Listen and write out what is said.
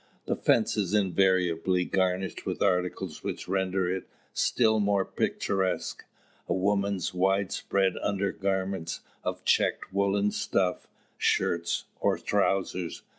The fence is invariably garnished with articles which render it still more picturesque: woman's widespread undergarments of checked woollen stuff, shirts, or trousers.